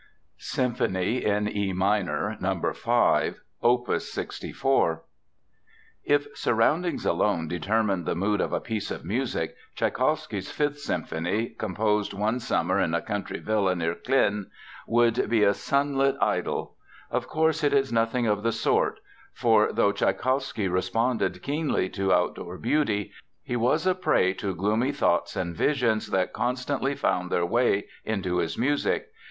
SYMPHONY IN E MINOR, NO. 5, OPUS 64 If surroundings alone determined the mood of a piece of music, Tschaikowsky's Fifth Symphony, composed one summer in a country villa near Klin, would be a sunlit idyl. Of course it is nothing of the sort, for though Tschaikowsky responded keenly to outdoor beauty, he was a prey to gloomy thoughts and visions that constantly found their way into his music.